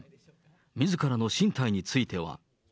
自らの進退については。